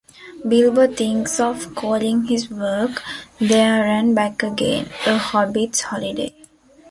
Bilbo thinks of calling his work "There and Back Again, A Hobbit's Holiday".